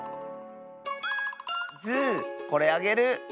ズーこれあげる！